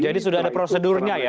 jadi sudah ada prosedurnya ya